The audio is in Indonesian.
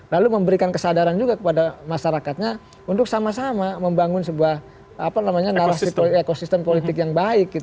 lalu memberikan kesadaran juga kepada masyarakatnya untuk sama sama membangun sebuah narasi ekosistem politik yang baik